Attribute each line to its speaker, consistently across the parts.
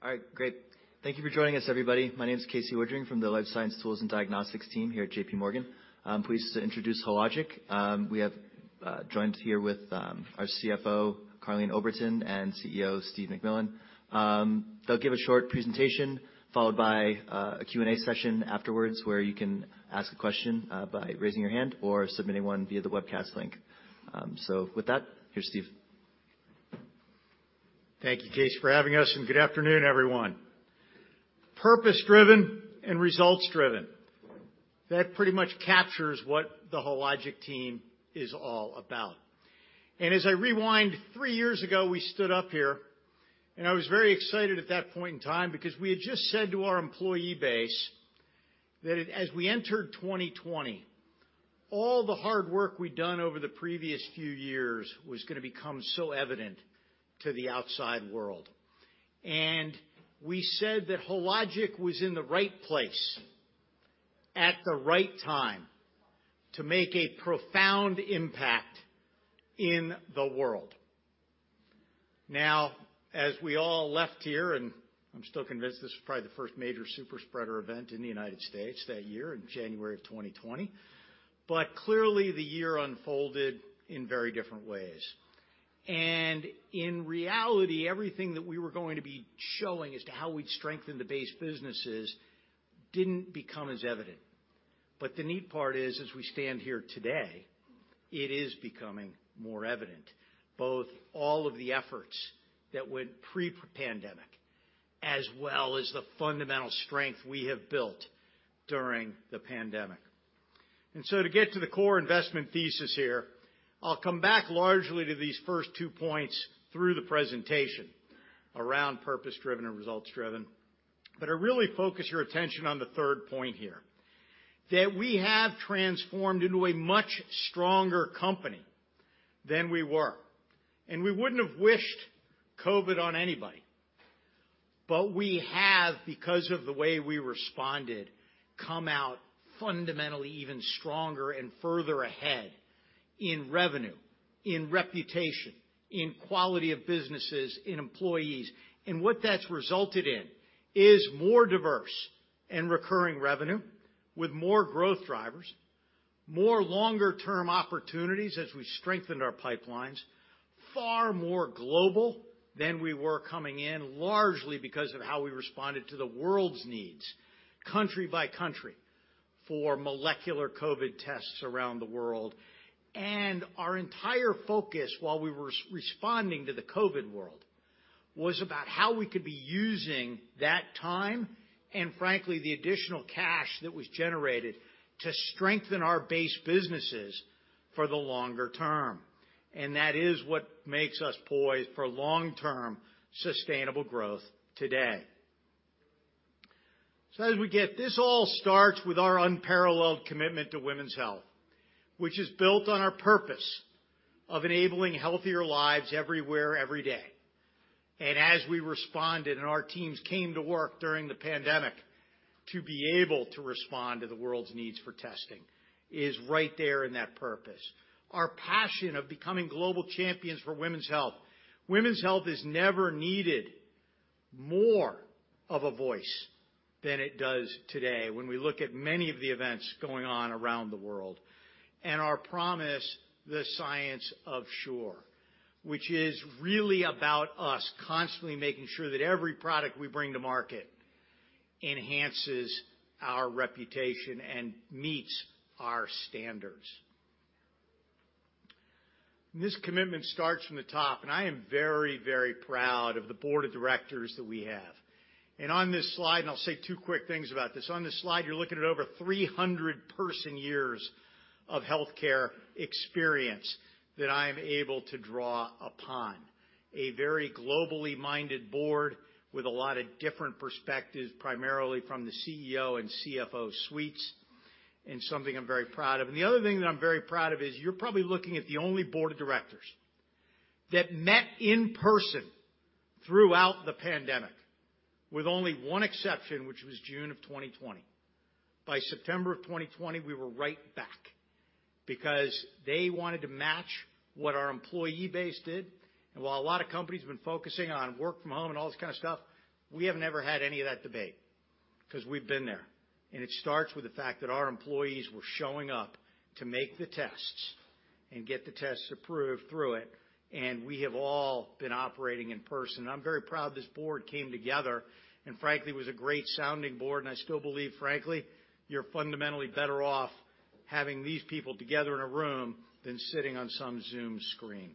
Speaker 1: All right, great. Thank you for joining us, everybody. My name is Casey Woodring from the Life Science Tools and Diagnostics team here at JPMorgan. I'm pleased to introduce Hologic. We have joined here with our CFO, Karleen Oberton, and CEO, Steve MacMillan. They'll give a short presentation followed by a Q&A session afterwards, where you can ask a question by raising your hand or submitting one via the webcast link. With that, here's Steve.
Speaker 2: Thank you, Casey, for having us, good afternoon, everyone. Purpose-driven and results-driven. That pretty much captures what the Hologic team is all about. As I rewind, three years ago, we stood up here, and I was very excited at that point in time because we had just said to our employee base that as we entered 2020, all the hard work we'd done over the previous few years was gonna become so evident to the outside world. We said that Hologic was in the right place at the right time to make a profound impact in the world. Now, as we all left here, and I'm still convinced this was probably the first major super spreader event in the United States that year in January of 2020. Clearly, the year unfolded in very different ways. In reality, everything that we were going to be showing as to how we'd strengthen the base businesses didn't become as evident. The neat part is, as we stand here today, it is becoming more evident, both all of the efforts that went pre-pandemic as well as the fundamental strength we have built during the pandemic. To get to the core investment thesis here, I'll come back largely to these first two points through the presentation around purpose-driven and results-driven. I really focus your attention on the third point here, that we have transformed into a much stronger company than we were. We wouldn't have wished COVID on anybody, but we have, because of the way we responded, come out fundamentally even stronger and further ahead in revenue, in reputation, in quality of businesses, in employees. What that's resulted in is more diverse and recurring revenue with more growth drivers, more longer-term opportunities as we strengthened our pipelines, far more global than we were coming in, largely because of how we responded to the world's needs country by country for molecular COVID tests around the world. Our entire focus while we were responding to the COVID world was about how we could be using that time and frankly, the additional cash that was generated to strengthen our base businesses for the longer term. That is what makes us poised for long-term sustainable growth today. This all starts with our unparalleled commitment to women's health, which is built on our purpose of enabling healthier lives everywhere, every day. As we responded and our teams came to work during the pandemic to be able to respond to the world's needs for testing is right there in that purpose. Our passion of becoming global champions for women's health. Women's health has never needed more of a voice than it does today when we look at many of the events going on around the world. Our promise, The Science of Sure, which is really about us constantly making sure that every product we bring to market enhances our reputation and meets our standards. This commitment starts from the top, and I am very, very proud of the board of directors that we have. On this slide, and I'll say two quick things about this. On this slide, you're looking at over 300 person years of healthcare experience that I am able to draw upon. A very globally minded board with a lot of different perspectives, primarily from the CEO and CFO suites, and something I'm very proud of. The other thing that I'm very proud of is you're probably looking at the only board of directors that met in person throughout the pandemic, with only one exception, which was June of 2020. By September of 2020, we were right back because they wanted to match what our employee base did. While a lot of companies have been focusing on work from home and all this kind of stuff, we have never had any of that debate 'cause we've been there. It starts with the fact that our employees were showing up to make the tests and get the tests approved through it, and we have all been operating in person. I'm very proud this board came together and frankly, was a great sounding board, and I still believe, frankly, you're fundamentally better off having these people together in a room than sitting on some Zoom screen.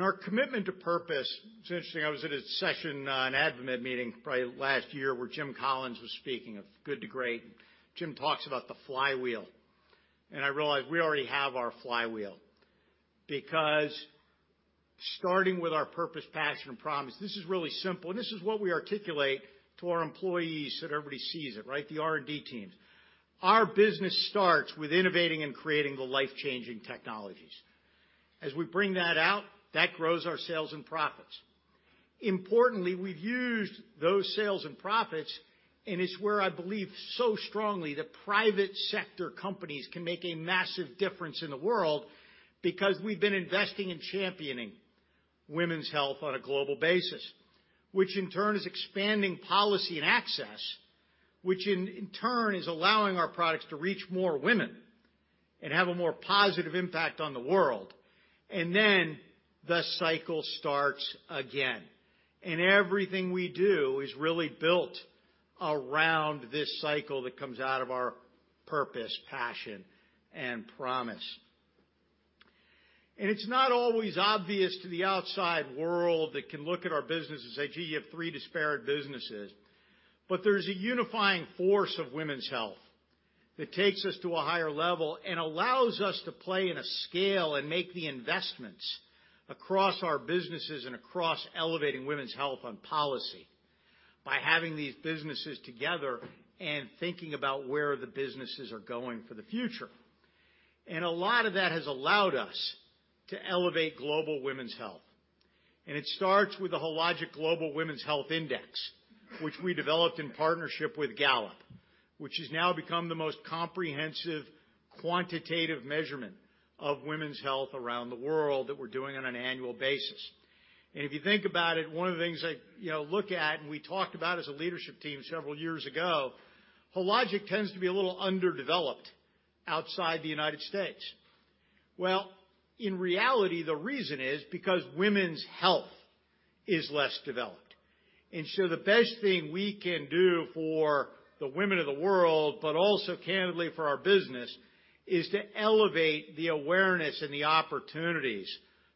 Speaker 2: Our commitment to purpose. It's interesting, I was at a session, an AdvaMed meeting probably last year where Jim Collins was speaking of Good to Great. Jim talks about the flywheel. I realized we already have our flywheel because starting with our purpose, passion, and promise, this is really simple, and this is what we articulate to our employees so that everybody sees it, right? The R&D teams. Our business starts with innovating and creating the life-changing technologies. As we bring that out, that grows our sales and profits. Importantly, we've used those sales and profits. It's where I believe so strongly that private sector companies can make a massive difference in the world because we've been investing in championing women's health on a global basis, which in turn is expanding policy and access, which in turn is allowing our products to reach more women and have a more positive impact on the world. Then the cycle starts again. Everything we do is really built around this cycle that comes out of our purpose, passion, and promise. It's not always obvious to the outside world that can look at our business and say, "Gee, you have three disparate businesses." There's a unifying force of women's health that takes us to a higher level and allows us to play in a scale and make the investments across our businesses and across elevating women's health on policy by having these businesses together and thinking about where the businesses are going for the future. A lot of that has allowed us to elevate global women's health. It starts with the Hologic Global Women's Health Index, which we developed in partnership with Gallup, which has now become the most comprehensive quantitative measurement of women's health around the world that we're doing on an annual basis. If you think about it, one of the things I, you know, look at, and we talked about as a leadership team several years ago, Hologic tends to be a little underdeveloped outside the United States. In reality, the reason is because women's health is less developed. The best thing we can do for the women of the world, but also candidly for our business, is to elevate the awareness and the opportunities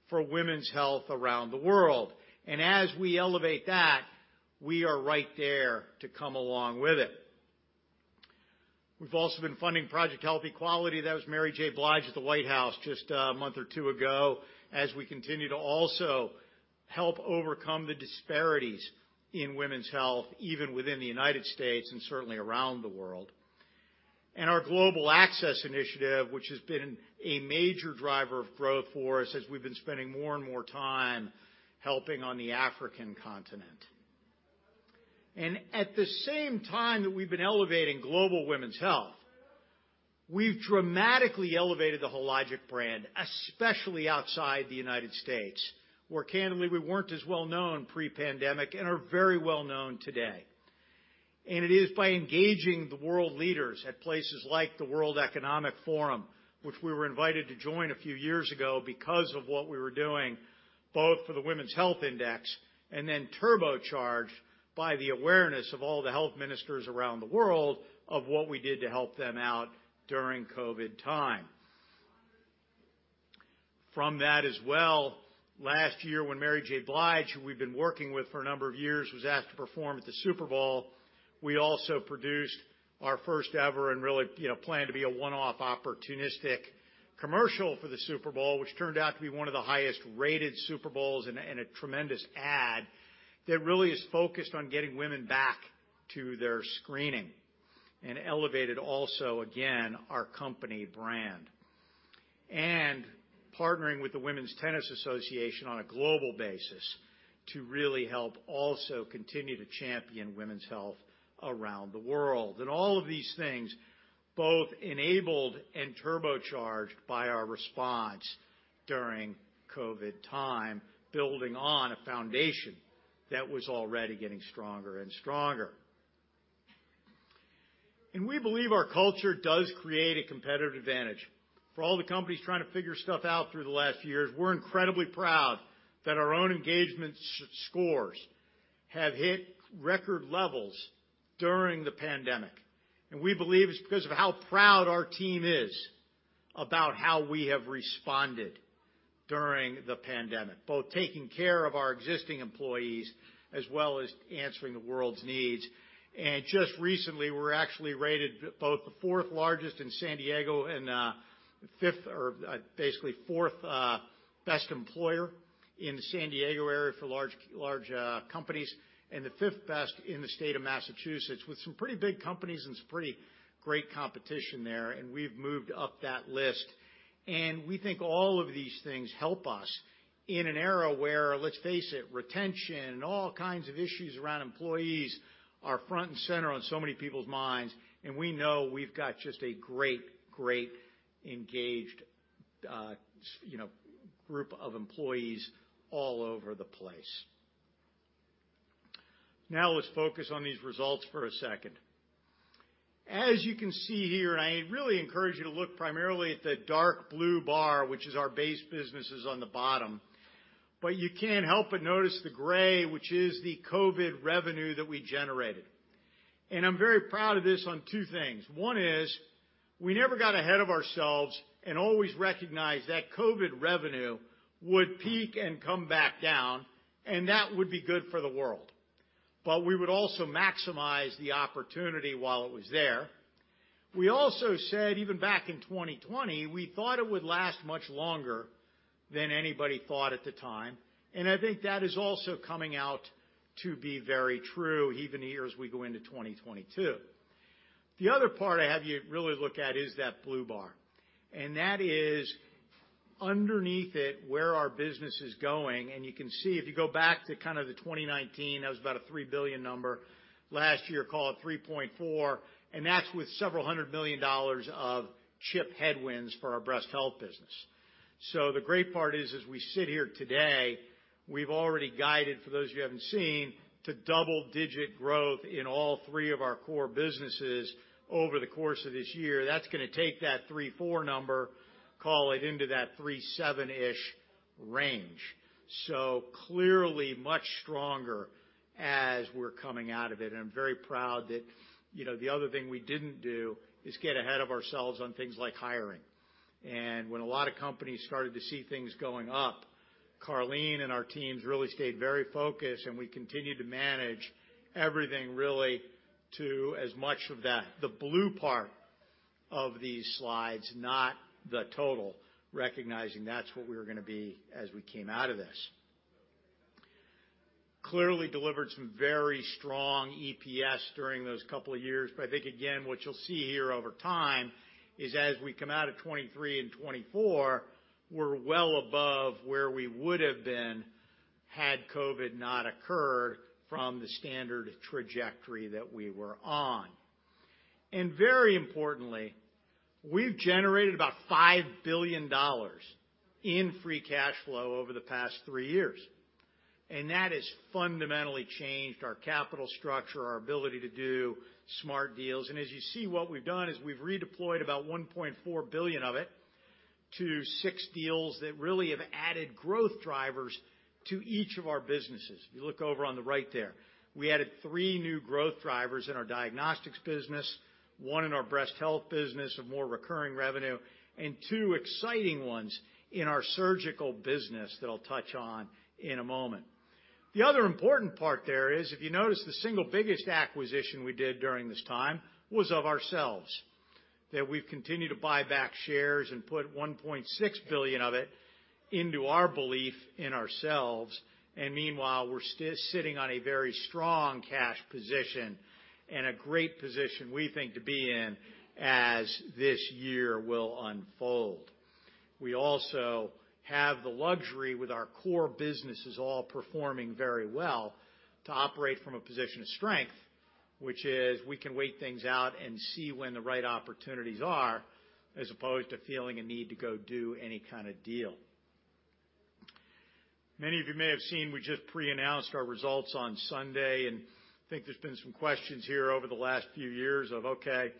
Speaker 2: for women's health around the world. As we elevate that, we are right there to come along with it. We've also been funding Project Health Equality. That was Mary J. Blige at the White House just a month or two ago, as we continue to also help overcome the disparities in women's health, even within the United States and certainly around the world. Our Global Access Initiative, which has been a major driver of growth for us as we've been spending more and more time helping on the African continent. At the same time that we've been elevating global women's health, we've dramatically elevated the Hologic brand, especially outside the United States, where candidly, we weren't as well known pre-pandemic and are very well known today. It is by engaging the world leaders at places like the World Economic Forum, which we were invited to join a few years ago because of what we were doing, both for the Women's Health Index and then turbocharged by the awareness of all the health ministers around the world of what we did to help them out during COVID time. From that as well, last year when Mary J. Blige, who we've been working with for a number of years, was asked to perform at the Super Bowl. We also produced our first ever and really, you know, planned to be a one-off opportunistic commercial for the Super Bowl, which turned out to be one of the highest-rated Super Bowls and a tremendous ad that really is focused on getting women back to their screening and elevated also, again, our company brand. Partnering with the Women's Tennis Association on a global basis to really help also continue to champion women's health around the world. All of these things both enabled and turbocharged by our response during COVID time, building on a foundation that was already getting stronger and stronger. We believe our culture does create a competitive advantage. For all the companies trying to figure stuff out through the last few years, we're incredibly proud that our own engagement scores have hit record levels during the pandemic. We believe it's because of how proud our team is about how we have responded during the pandemic, both taking care of our existing employees as well as answering the world's needs. Just recently, we're actually rated both the fourth largest in San Diego and fifth or basically fourth best employer in the San Diego area for large companies, and the fifth best in the state of Massachusetts, with some pretty big companies and some pretty great competition there. We've moved up that list. We think all of these things help us in an era where, let's face it, retention and all kinds of issues around employees are front and center on so many people's minds. We know we've got just a great engaged, you know, group of employees all over the place. Let's focus on these results for a second. As you can see here, I really encourage you to look primarily at the dark blue bar, which is our base businesses on the bottom. You can't help but notice the gray, which is the COVID revenue that we generated. I'm very proud of this on two things. One is we never got ahead of ourselves and always recognized that COVID revenue would peak and come back down, and that would be good for the world. We would also maximize the opportunity while it was there. We also said, even back in 2020, we thought it would last much longer than anybody thought at the time. I think that is also coming out to be very true even here as we go into 2022. The other part I have you really look at is that blue bar, and that is underneath it, where our business is going. You can see if you go back to kind of the 2019, that was about a $3 billion number. Last year, call it $3.4, and that's with several hundred million dollars of chip headwinds for our breast health business. The great part is, as we sit here today, we've already guided, for those you haven't seen, to double-digit growth in all three of our core businesses over the course of this year. That's gonna take that $3.40 number, call it into that $3.70-ish range. Clearly much stronger as we're coming out of it. I'm very proud that, you know, the other thing we didn't do is get ahead of ourselves on things like hiring. When a lot of companies started to see things going up, Karleen and our teams really stayed very focused, and we continued to manage everything really to as much of that, the blue part of these slides, not the total, recognizing that's what we were gonna be as we came out of this. Clearly delivered some very strong EPS during those couple of years, but I think again, what you'll see here over time is as we come out of 2023 and 2024, we're well above where we would have been had COVID not occurred from the standard trajectory that we were on. Very importantly, we've generated about $5 billion in free cash flow over the past three years, that has fundamentally changed our capital structure, our ability to do smart deals. As you see, what we've done is we've redeployed about $1.4 billion of it to six deals that really have added growth drivers to each of our businesses. If you look over on the right there, we added three new growth drivers in our diagnostics business, one in our breast health business of more recurring revenue, and two exciting ones in our surgical business that I'll touch on in a moment. The other important part there is, if you notice, the single biggest acquisition we did during this time was of ourselves, that we've continued to buy back shares and put $1.6 billion of it into our belief in ourselves. Meanwhile, we're sitting on a very strong cash position and a great position we think to be in as this year will unfold. We also have the luxury, with our core businesses all performing very well, to operate from a position of strength, which is we can wait things out and see when the right opportunities are, as opposed to feeling a need to go do any kind of deal. Many of you may have seen, we just pre-announced our results on Sunday, and I think there's been some questions here over the last few years of, okay,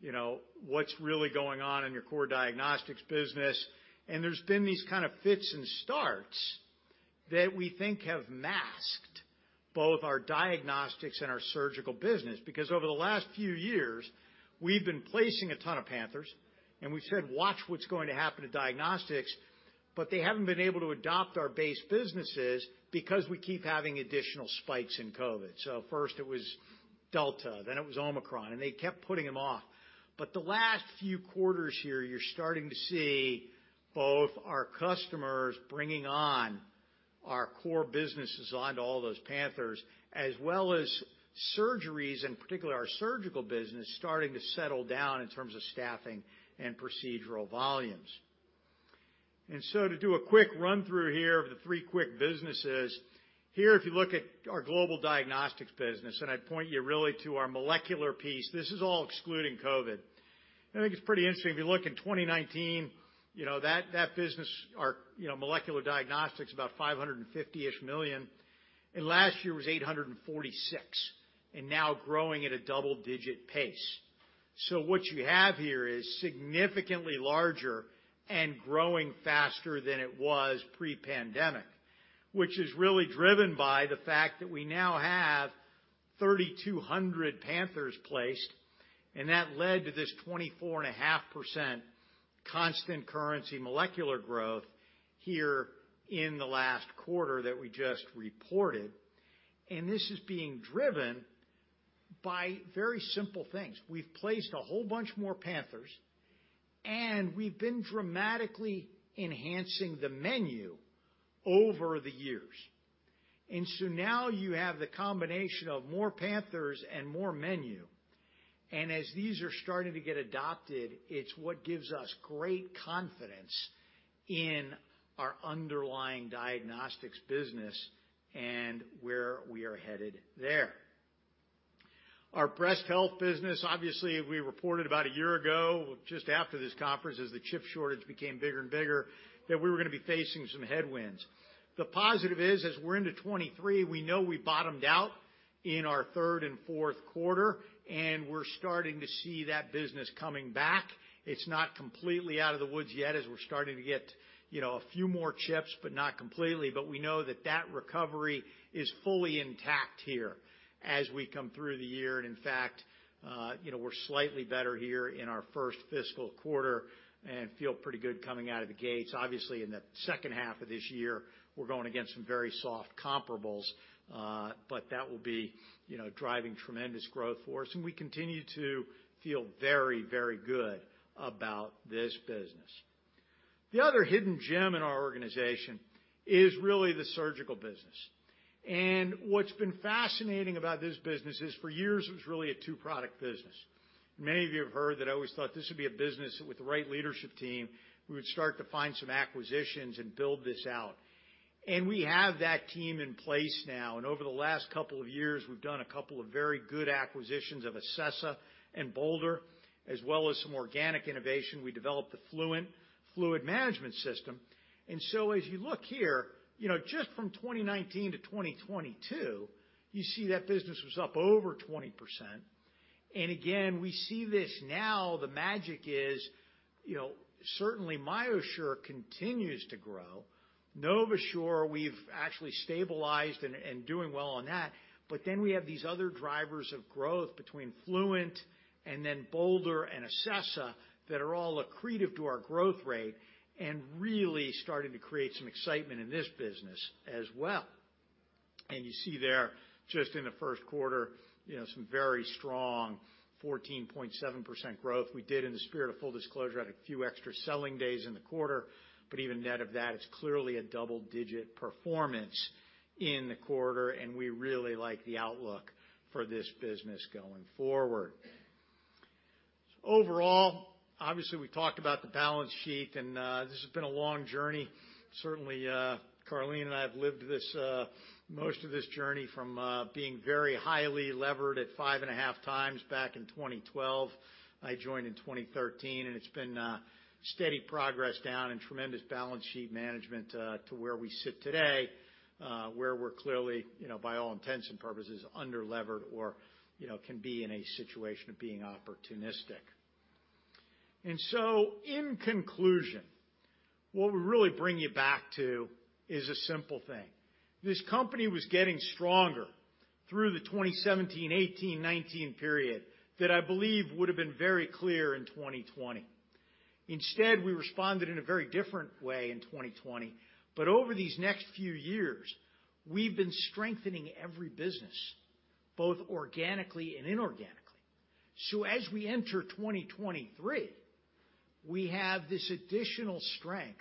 Speaker 2: you know, what's really going on in your core diagnostics business? There's been these kind of fits and starts that we think have masked both our diagnostics and our surgical business. Over the last few years, we've been placing a ton of Panthers, and we've said, "Watch what's going to happen to diagnostics," but they haven't been able to adopt our base businesses because we keep having additional spikes in COVID. First it was Delta, then it was Omicron, they kept putting them off. The last few quarters here, you're starting to see both our customers bringing on our core businesses onto all those Panthers, as well as surgeries, in particular, our surgical business, starting to settle down in terms of staffing and procedural volumes. To do a quick run-through here of the three quick businesses, here, if you look at our global diagnostics business, and I'd point you really to our molecular piece. This is all excluding COVID. I think it's pretty interesting. If you look in 2019, you know, that business, our, you know, molecular diagnostics about $550-ish million, and last year was $846 million, and now growing at a double-digit pace. What you have here is significantly larger and growing faster than it was pre-pandemic, which is really driven by the fact that we now have 3,200 Panthers placed, and that led to this 24.5% constant currency molecular growth here in the last quarter that we just reported. This is being driven by very simple things. We've placed a whole bunch more Panthers, and we've been dramatically enhancing the menu over the years. Now you have the combination of more Panthers and more menu. As these are starting to get adopted, it's what gives us great confidence in our underlying diagnostics business and where we are headed there. Our breast health business, obviously, we reported about a year ago, just after this conference, as the chip shortage became bigger and bigger, that we were going to be facing some headwinds. The positive is, as we're into 2023, we know we bottomed out in our third and fourth quarter, and we're starting to see that business coming back. It's not completely out of the woods yet, as we're starting to get, you know, a few more chips, but not completely. We know that that recovery is fully intact here as we come through the year. In fact, you know, we're slightly better here in our 1st fiscal quarter and feel pretty good coming out of the gates. Obviously, in the second half of this year, we're going against some very soft comparables, but that will be, you know, driving tremendous growth for us, and we continue to feel very, very good about this business. The other hidden gem in our organization is really the surgical business. What's been fascinating about this business is for years it was really a two-product business. Many of you have heard that I always thought this would be a business with the right leadership team, we would start to find some acquisitions and build this out. We have that team in place now. Over the last couple of years, we've done a couple of very good acquisitions of Acessa and Bolder, as well as some organic innovation. We developed the Fluent fluid management system. As you look here, you know, just from 2019 to 2022, you see that business was up over 20%. Again, we see this now, the magic is, you know, certainly MyoSure continues to grow. NovaSure, we've actually stabilized and doing well on that. We have these other drivers of growth between Fluent and then Bolder and Acessa that are all accretive to our growth rate and really starting to create some excitement in this business as well. You see there just in the first quarter, you know, some very strong 14.7% growth. We did, in the spirit of full disclosure, had a few extra selling days in the quarter, but even net of that, it's clearly a double-digit performance in the quarter, and we really like the outlook for this business going forward. Overall, obviously, we talked about the balance sheet, this has been a long journey. Certainly, Karleen and I have lived this, most of this journey from being very highly levered at 5.5x back in 2012. I joined in 2013, and it's been steady progress down and tremendous balance sheet management to where we sit today, where we're clearly, you know, by all intents and purposes, under-levered or, you know, can be in a situation of being opportunistic. In conclusion, what we really bring you back to is a simple thing. This company was getting stronger through the 2017, 2018, 2019 period that I believe would have been very clear in 2020. Instead, we responded in a very different way in 2020. Over these next few years, we've been strengthening every business, both organically and inorganically. As we enter 2023, we have this additional strength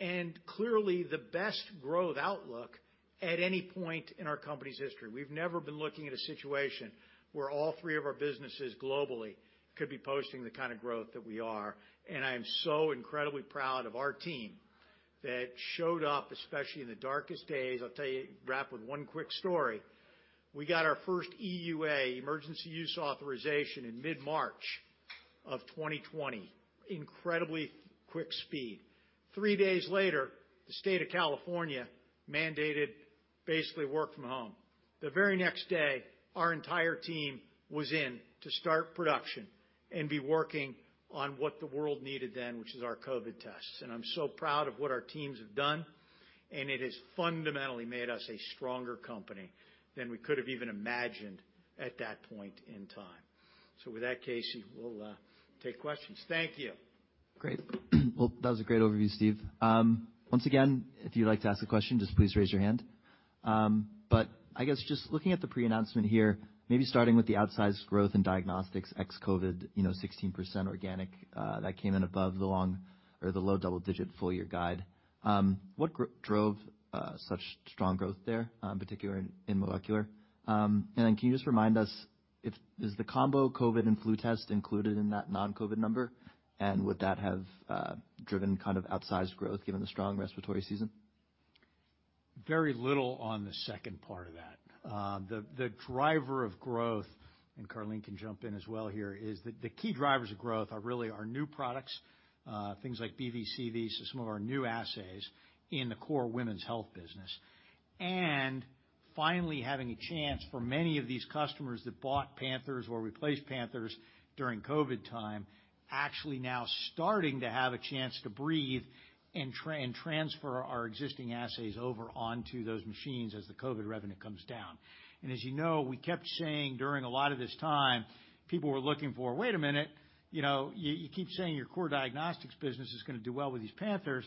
Speaker 2: and clearly the best growth outlook at any point in our company's history. We've never been looking at a situation where all three of our businesses globally could be posting the kind of growth that we are. I am so incredibly proud of our team that showed up, especially in the darkest days. I'll tell you, wrap with one quick story. We got our first EUA, Emergency Use Authorization, in mid-March of 2020. Incredibly quick speed. Three days later, the state of California mandated basically work from home. The very next day, our entire team was in to start production and be working on what the world needed then, which is our COVID tests. I'm so proud of what our teams have done, and it has fundamentally made us a stronger company than we could have even imagined at that point in time. With that, Casey, we'll take questions. Thank you.
Speaker 1: Great. Well, that was a great overview, Steve. Once again, if you'd like to ask a question, just please raise your hand. I guess just looking at the pre-announcement here, maybe starting with the outsized growth in diagnostics ex-COVID, you know, 16% organic, that came in above the long or the low double digit full year guide. What drove such strong growth there, particularly in molecular? Then can you just remind us if, is the combo COVID and flu test included in that non-COVID number? Would that have driven kind of outsized growth given the strong respiratory season?
Speaker 2: Very little on the second part of that. The driver of growth, Karleen can jump in as well here, is that the key drivers of growth are really our new products, things like BV/CV. Some of our new assays in the core women's health business. Finally, having a chance for many of these customers that bought Panthers or replaced Panthers during COVID time, actually now starting to have a chance to breathe and transfer our existing assays over onto those machines as the COVID revenue comes down. As you know, we kept saying during a lot of this time, people were looking for, "Wait a minute, you know, you keep saying your core diagnostics business is gonna do well with these Panthers."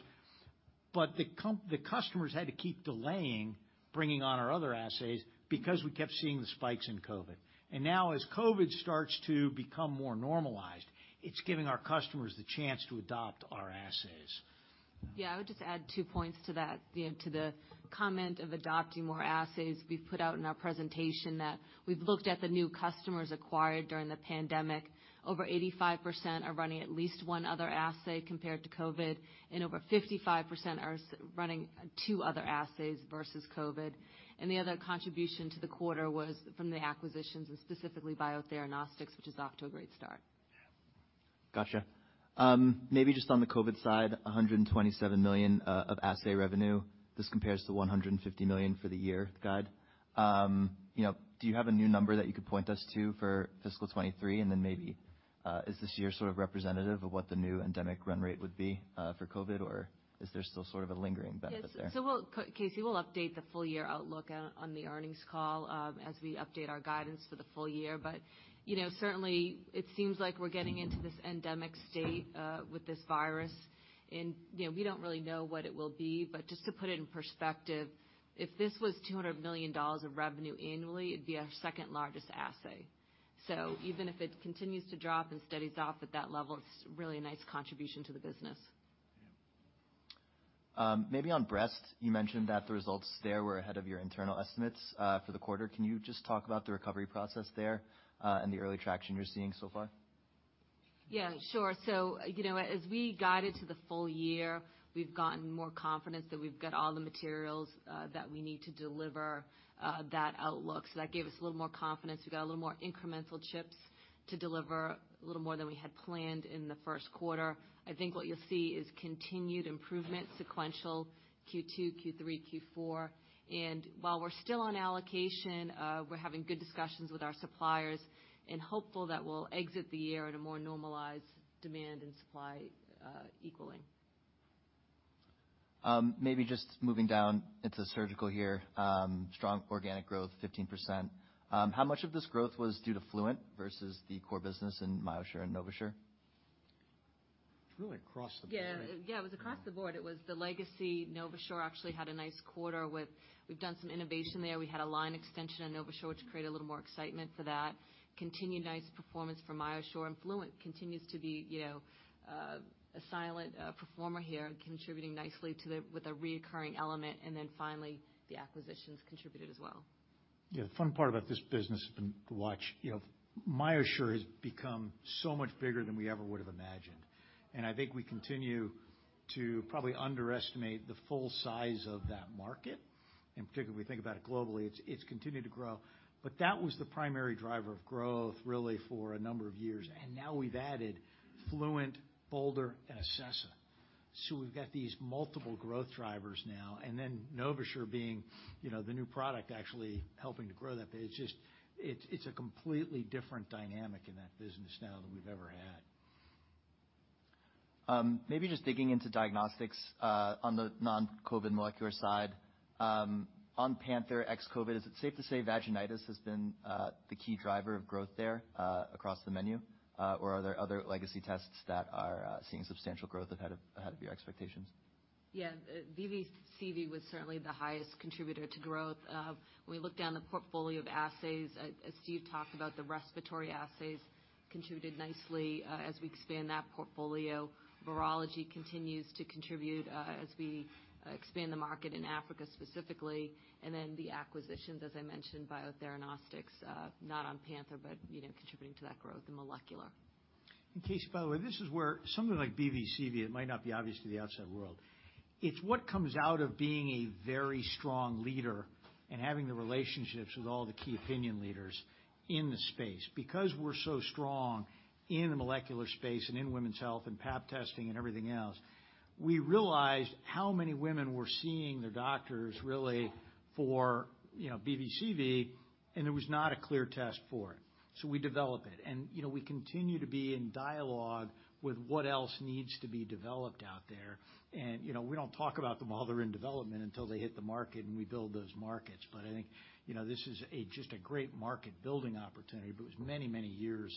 Speaker 2: The customers had to keep delaying bringing on our other assays because we kept seeing the spikes in COVID. Now as COVID starts to become more normalized, it's giving our customers the chance to adopt our assays.
Speaker 3: Yeah, I would just add two points to that. You know, to the comment of adopting more assays, we've put out in our presentation that we've looked at the new customers acquired during the pandemic. Over 85% are running at least one other assay compared to COVID, and over 55% are running two other assays versus COVID. The other contribution to the quarter was from the acquisitions and specifically Biotheranostics, which is off to a great start.
Speaker 2: Yeah.
Speaker 1: Gotcha. Maybe just on the COVID side, $127 million of assay revenue. This compares to $150 million for the year guide. You know, do you have a new number that you could point us to for fiscal 2023? Then maybe, is this year sort of representative of what the new endemic run rate would be for COVID, or is there still sort of a lingering benefit there?
Speaker 3: Yes. We'll Casey, we'll update the full year outlook on the earnings call, as we update our guidance for the full year. You know, certainly it seems like we're getting into this endemic state with this virus. You know, we don't really know what it will be. Just to put it in perspective, if this was $200 million of revenue annually, it'd be our second largest assay. Even if it continues to drop and steadies off at that level, it's really a nice contribution to the business.
Speaker 1: Maybe on breast, you mentioned that the results there were ahead of your internal estimates for the quarter. Can you just talk about the recovery process there and the early traction you're seeing so far?
Speaker 3: Yeah. Sure. You know, as we guided to the full year, we've gotten more confidence that we've got all the materials, that we need to deliver, that outlook. That gave us a little more confidence. We got a little more incremental chips to deliver, a little more than we had planned in the first quarter. I think what you'll see is continued improvement sequential Q2, Q3, Q4. While we're still on allocation, we're having good discussions with our suppliers and hopeful that we'll exit the year at a more normalized demand and supply, equaling.
Speaker 1: Maybe just moving down into surgical here. Strong organic growth, 15%. How much of this growth was due to Fluent versus the core business in MyoSure and NovaSure?
Speaker 2: It's really across the board.
Speaker 3: Yeah. Yeah, it was across the board. It was the legacy. NovaSure actually had a nice quarter. We've done some innovation there. We had a line extension on NovaSure to create a little more excitement for that. Continued nice performance from MyoSure, and Fluent continues to be, you know, a silent performer here, contributing nicely with a reoccurring element. Finally, the acquisitions contributed as well.
Speaker 2: Yeah. The fun part about this business has been to watch. You know, MyoSure has become so much bigger than we ever would've imagined. I think we continue to probably underestimate the full size of that market. Particularly, when we think about it globally, it's continued to grow. That was the primary driver of growth, really, for a number of years. Now we've added Fluent, Bolder, and Acessa. We've got these multiple growth drivers now, and then NovaSure being, you know, the new product actually helping to grow that. It's just it's a completely different dynamic in that business now than we've ever had.
Speaker 1: Maybe just digging into diagnostics on the non-COVID molecular side. On Panther ex-COVID, is it safe to say vaginitis has been the key driver of growth there across the menu? Or are there other legacy tests that are seeing substantial growth ahead of your expectations?
Speaker 3: Yeah. BVCV was certainly the highest contributor to growth. When we look down the portfolio of assays, as Steve talked about, the respiratory assays contributed nicely, as we expand that portfolio. Virology continues to contribute, as we expand the market in Africa, specifically. The acquisitions, as I mentioned, Biotheranostics, not on Panther, but, you know, contributing to that growth in molecular.
Speaker 2: Casey, by the way, this is where something like BVCV, it might not be obvious to the outside world. It's what comes out of being a very strong leader and having the relationships with all the key opinion leaders in the space. We're so strong in the molecular space and in women's health and pap testing and everything else, we realized how many women were seeing their doctors really for, you know, BVCV, and there was not a clear test for it. We develop it. You know, we continue to be in dialogue with what else needs to be developed out there. You know, we don't talk about them while they're in development until they hit the market and we build those markets. I think, you know, this is a, just a great market building opportunity, but was many, many years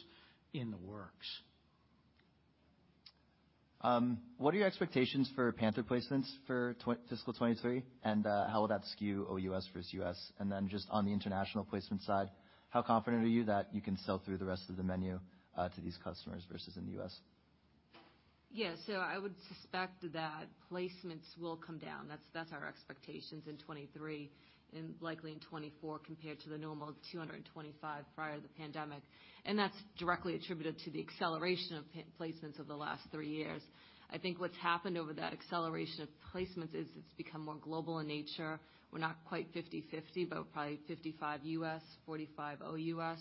Speaker 2: in the works.
Speaker 1: What are your expectations for Panther placements for fiscal 2023, and how will that skew OUS versus U.S.? Just on the international placement side, how confident are you that you can sell through the rest of the menu to these customers versus in the U.S.?
Speaker 3: I would suspect that placements will come down. That's our expectations in 2023 and likely in 2024 compared to the normal 225 prior to the pandemic. That's directly attributed to the acceleration of placements over the last three years. I think what's happened over that acceleration of placements is it's become more global in nature. We're not quite 50/50, but probably 55 U.S., 45 OUS.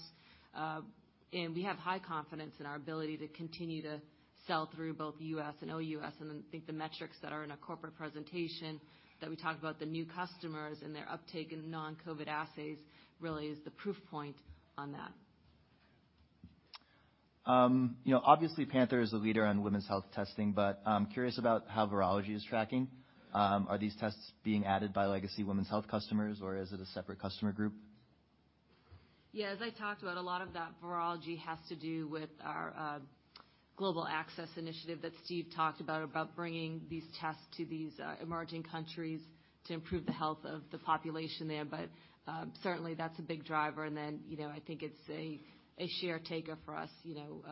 Speaker 3: We have high confidence in our ability to continue to sell through both U.S. and OUS, and then think the metrics that are in our corporate presentation, that we talk about the new customers and their uptake in non-COVID assays, really is the proof point on that.
Speaker 1: You know, obviously, Panther is a leader on women's health testing, but I'm curious about how virology is tracking. Are these tests being added by legacy women's health customers, or is it a separate customer group?
Speaker 3: Yeah. As I talked about, a lot of that virology has to do with our Global Access Initiative that Steve talked about bringing these tests to these emerging countries to improve the health of the population there. Certainly, that's a big driver. You know, I think it's a share taker for us. You know,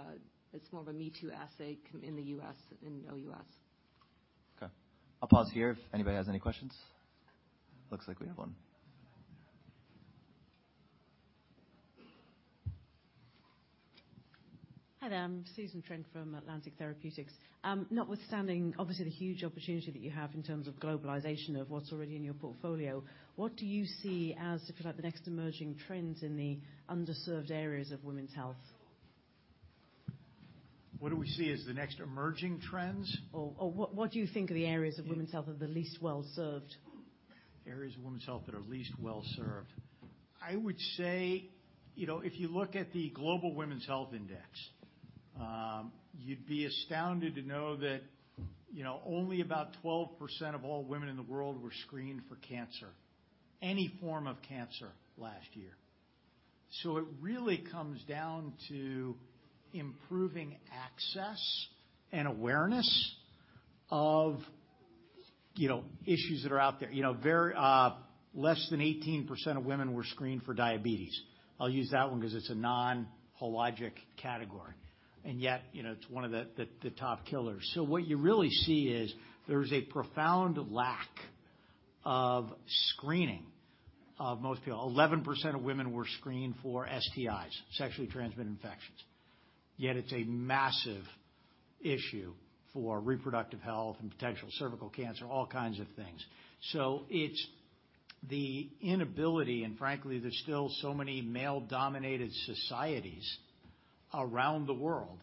Speaker 3: it's more of a me-too assay in the U.S. and OUS.
Speaker 1: Okay. I'll pause here if anybody has any questions. Looks like we have one.
Speaker 4: Hi there. I'm Susan Trent from Atlantic Therapeutics. Notwithstanding, obviously, the huge opportunity that you have in terms of globalization of what's already in your portfolio, what do you see as, if you like, the next emerging trends in the underserved areas of women's health?
Speaker 2: What do we see as the next emerging trends?
Speaker 4: What do you think are the areas of women's health that are least well-served?
Speaker 2: Areas of women's health that are least well-served. I would say, you know, if you look at the Global Women's Health Index, you'd be astounded to know that, you know, only about 12% of all women in the world were screened for cancer, any form of cancer last year. It really comes down to improving access and awareness of, you know, issues that are out there. You know, very, less than 18% of women were screened for diabetes. I'll use that one 'cause it's a non-Hologic category. Yet, you know, it's one of the top killers. What you really see is there is a profound lack of screening of most people. 11% of women were screened for STIs, sexually transmitted infections. It's a massive issue for reproductive health and potential cervical cancer, all kinds of things. It's the inability and frankly, there's still so many male-dominated societies around the world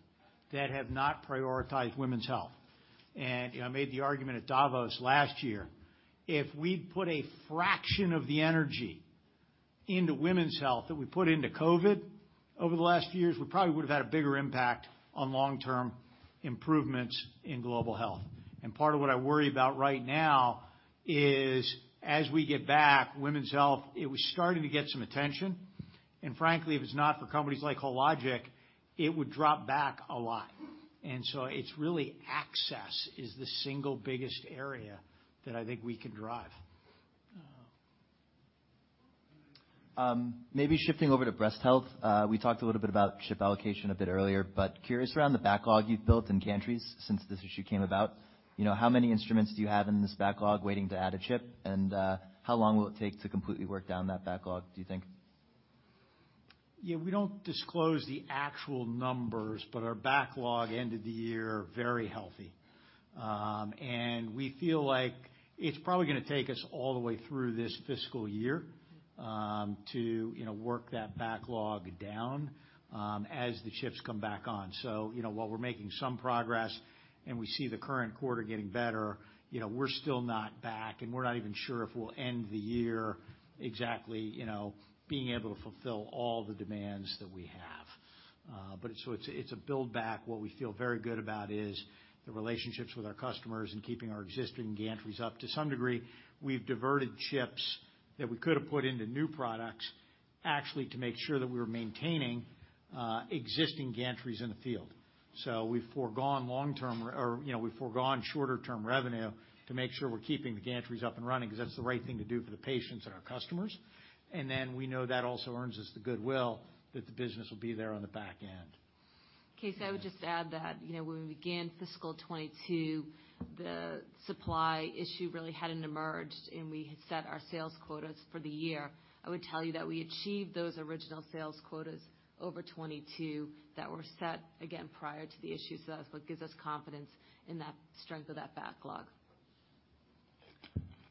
Speaker 2: that have not prioritized women's health. I made the argument at Davos last year, if we'd put a fraction of the energy into women's health that we put into COVID over the last years, we probably would have had a bigger impact on long-term improvements in global health. Part of what I worry about right now is as we get back, women's health, it was starting to get some attention. Frankly, if it's not for companies like Hologic, it would drop back a lot. It's really access is the single biggest area that I think we can drive.
Speaker 1: Maybe shifting over to breast health. We talked a little bit about chip allocation a bit earlier, but curious around the backlog you've built in gantries since this issue came about. You know, how many instruments do you have in this backlog waiting to add a chip? How long will it take to completely work down that backlog, do you think?
Speaker 2: We don't disclose the actual numbers, but our backlog ended the year very healthy. We feel like it's probably going to take us all the way through this fiscal year, to, you know, work that backlog down as the chips come back on. While we're making some progress and we see the current quarter getting better, you know, we're still not back, and we're not even sure if we'll end the year exactly, you know, being able to fulfill all the demands that we have. It's, so it's a build back. What we feel very good about is the relationships with our customers and keeping our existing gantries up. To some degree, we've diverted chips that we could have put into new products, actually, to make sure that we were maintaining existing gantries in the field. We've foregone shorter-term revenue to make sure we're keeping the gantries up and running because that's the right thing to do for the patients and our customers. We know that also earns us the goodwill that the business will be there on the back end.
Speaker 3: Casey, I would just add that, you know, when we began fiscal 2022, the supply issue really hadn't emerged. We had set our sales quotas for the year. I would tell you that we achieved those original sales quotas over 2022 that were set again prior to the issues. That's what gives us confidence in that strength of that backlog.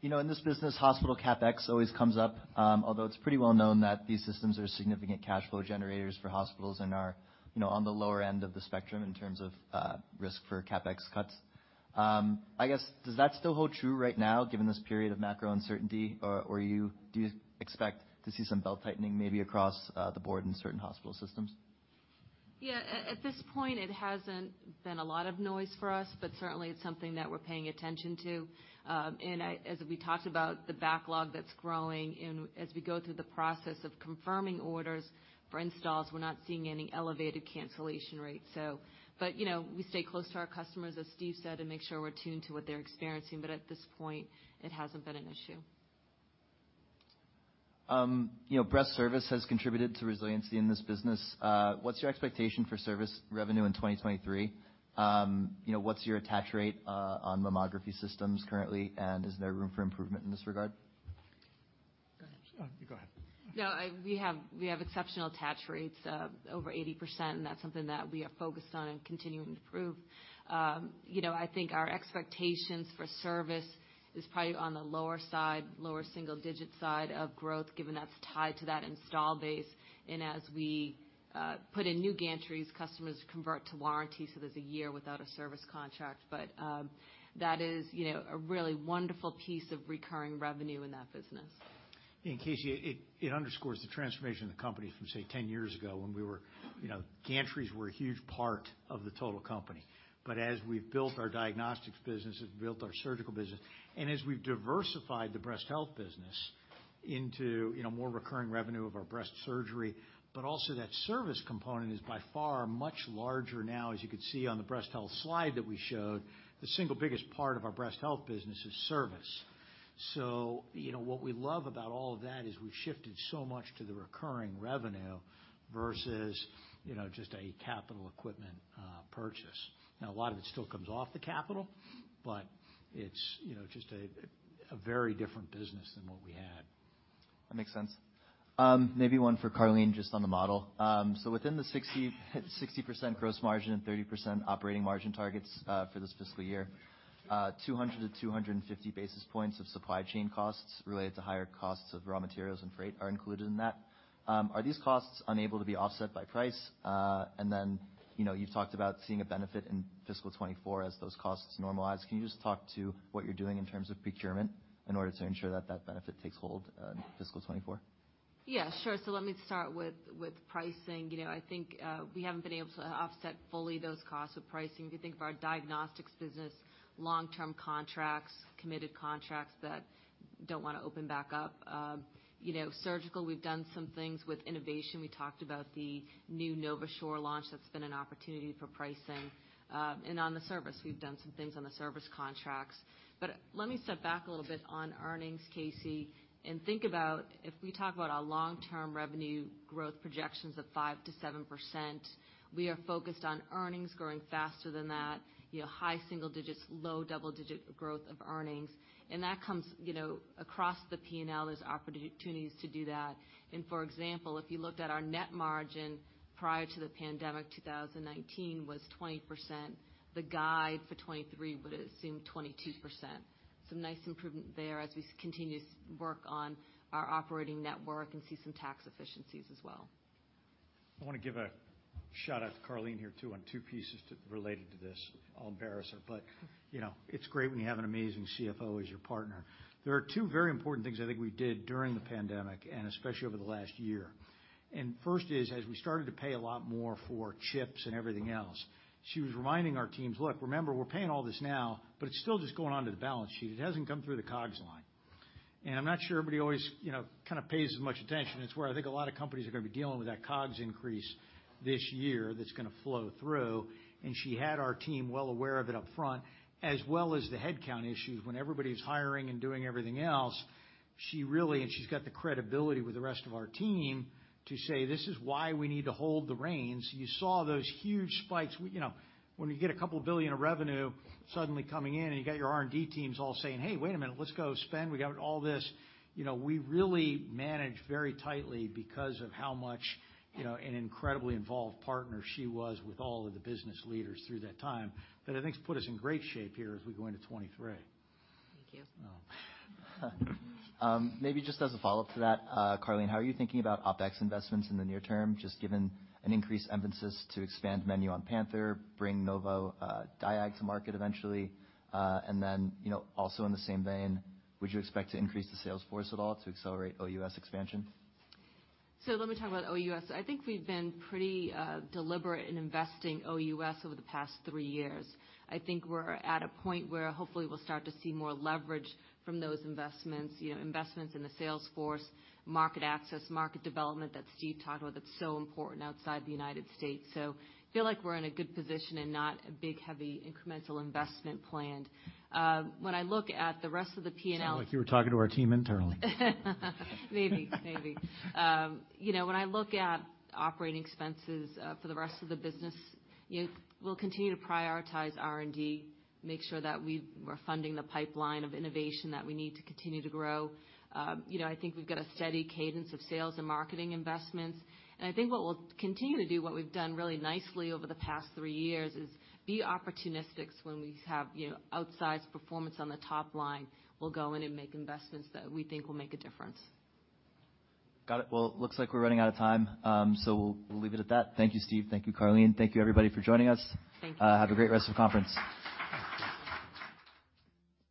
Speaker 1: You know, in this business, hospital CapEx always comes up, although it's pretty well known that these systems are significant cash flow generators for hospitals and are, you know, on the lower end of the spectrum in terms of risk for CapEx cuts. I guess, does that still hold true right now, given this period of macro uncertainty, or do you expect to see some belt tightening maybe across the board in certain hospital systems?
Speaker 3: Yeah. At this point, it hasn't been a lot of noise for us, but certainly it's something that we're paying attention to. As we talked about the backlog that's growing and as we go through the process of confirming orders for installs, we're not seeing any elevated cancellation rates. But, you know, we stay close to our customers, as Steve said, to make sure we're tuned to what they're experiencing. At this point, it hasn't been an issue.
Speaker 1: You know, breast service has contributed to resiliency in this business. What's your expectation for service revenue in 2023? You know, what's your attach rate, on mammography systems currently, and is there room for improvement in this regard?
Speaker 3: Go ahead.
Speaker 2: Oh, you go ahead.
Speaker 3: No, we have exceptional attach rates of over 80%. That's something that we are focused on and continuing to improve. You know, I think our expectations for service is probably on the lower side, lower single digit side of growth, given that's tied to that install base. As we put in new gantries, customers convert to warranty, so there's a year without a service contract. That is, you know, a really wonderful piece of recurring revenue in that business.
Speaker 2: Casey, it underscores the transformation of the company from, say, 10 years ago when we were, you know, gantries were a huge part of the total company. As we've built our diagnostics business, as we've built our surgical business, and as we've diversified the breast health business into, you know, more recurring revenue of our breast surgery, but also that service component is by far much larger now. As you could see on the breast health slide that we showed, the single biggest part of our breast health business is service. What we love about all of that is we've shifted so much to the recurring revenue versus, you know, just a capital equipment purchase. Now, a lot of it still comes off the capital, but it's, you know, just a very different business than what we had.
Speaker 1: That makes sense. Maybe one for Karleen, just on the model. Within the 60% gross margin and 30% operating margin targets, for this fiscal year, 200-250 basis points of supply chain costs related to higher costs of raw materials and freight are included in that. Are these costs unable to be offset by price? You know, you've talked about seeing a benefit in fiscal 2024 as those costs normalize. Can you just talk to what you're doing in terms of procurement in order to ensure that that benefit takes hold, in fiscal 2024?
Speaker 3: Yeah, sure. Let me start with pricing. You know, I think, we haven't been able to offset fully those costs with pricing. If you think of our diagnostics business, long-term contracts, committed contracts that don't want to open back up. You know, surgical, we've done some things with innovation. We talked about the new NovaSure launch, that's been an opportunity for pricing. On the service, we've done some things on the service contracts. Let me step back a little bit on earnings, Casey, and think about if we talk about our long-term revenue growth projections of 5%-7%, we are focused on earnings growing faster than that, you know, high single digits, low double-digit growth of earnings. That comes, you know, across the P&L, there's opportunities to do that. For example, if you looked at our net margin prior to the pandemic, 2019 was 20%. The guide for 2023 would assume 22%. Some nice improvement there as we continue work on our operating network and see some tax efficiencies as well.
Speaker 2: I wanna give a shout-out to Karleen here too on two pieces related to this. I'll embarrass her, but, you know, it's great when you have an amazing CFO as your partner. There are two very important things I think we did during the pandemic, and especially over the last year. First is, as we started to pay a lot more for chips and everything else, she was reminding our teams, "Look, remember, we're paying all this now, but it's still just going onto the balance sheet. It hasn't come through the COGS line." I'm not sure everybody always, you know, kind of pays as much attention. It's where I think a lot of companies are gonna be dealing with that COGS increase this year that's gonna flow through, and she had our team well aware of it up front, as well as the headcount issues. When everybody's hiring and doing everything else, she really. She's got the credibility with the rest of our team to say, "This is why we need to hold the reins." You saw those huge spikes. We, you know, when you get $2 billion of revenue suddenly coming in, and you got your R&D teams all saying, "Hey, wait a minute, let's go spend. We got all this," you know, we really managed very tightly because of how much, you know, an incredibly involved partner she was with all of the business leaders through that time, that I think's put us in great shape here as we go into 2023.
Speaker 3: Thank you.
Speaker 2: You're welcome.
Speaker 1: Maybe just as a follow-up to that, Karleen, how are you thinking about OpEx investments in the near term, just given an increased emphasis to expand menu on Panther, bring Novodiag to market eventually? You know, also in the same vein, would you expect to increase the sales force at all to accelerate OUS expansion?
Speaker 3: Let me talk about OUS. I think we've been pretty deliberate in investing OUS over the past three years. I think we're at a point where hopefully we'll start to see more leverage from those investments. You know, investments in the sales force, market access, market development that Steve talked about that's so important outside the United States. Feel like we're in a good position and not a big, heavy, incremental investment planned. When I look at the rest of the P&L.
Speaker 2: Sound like you were talking to our team internally.
Speaker 3: Maybe, maybe. you know, when I look at operating expenses, for the rest of the business, you know, we'll continue to prioritize R&D, make sure that we're funding the pipeline of innovation that we need to continue to grow. you know, I think we've got a steady cadence of sales and marketing investments, and I think what we'll continue to do, what we've done really nicely over the past three years, is be opportunistic when we have, you know, outsized performance on the top line. We'll go in and make investments that we think will make a difference.
Speaker 1: Got it. Well, looks like we're running out of time. We'll leave it at that. Thank you, Steve. Thank you, Karleen. Thank you, everybody, for joining us.
Speaker 3: Thank you.
Speaker 1: Have a great rest of the conference.